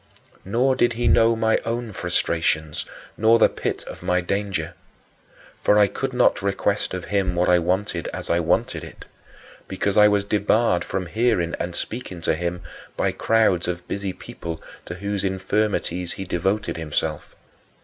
Nor did he know my own frustrations, nor the pit of my danger. For I could not request of him what I wanted as I wanted it, because I was debarred from hearing and speaking to him by crowds of busy people to whose infirmities he devoted himself.